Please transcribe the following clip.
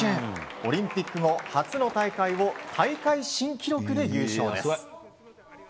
オリンピック後初の大会を大会新記録で優勝です。